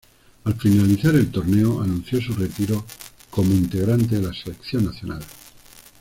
Al finalizar el torneo, anunció su retiro como integrante de la selección nacional.